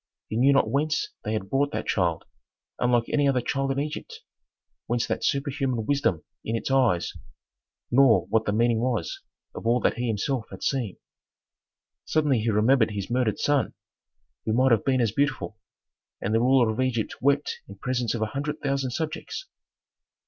He knew not whence they had brought that child, unlike any other child in Egypt, whence that superhuman wisdom in its eyes, nor what the meaning was of all that he himself had seen. Suddenly he remembered his murdered son, who might have been as beautiful, and the ruler of Egypt wept in presence of a hundred thousand subjects.